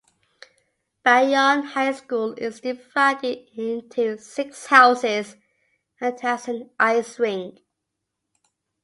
Bayonne High School is divided into six houses and has an ice rink.